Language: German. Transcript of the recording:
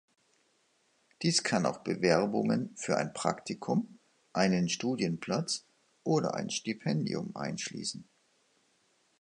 Dies kann auch Bewerbungen für ein Praktikum, einen Studienplatz oder ein Stipendium einschließen.